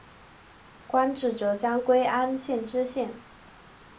官至浙江归安县知县。